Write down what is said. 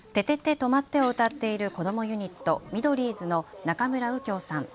とまって！を歌っているこどもユニット、ミドリーズの中村羽叶さん。